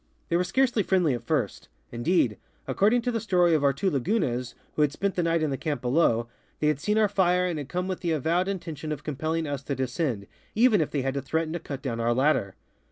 They were scarcely friendly at first; indeed, according to the story of our two Lagunas, who had spent the night in the camp below, they had seen our fire and had come with the avowed intention of compelling us to de scend, even if they had to threaten to cut down our ladder.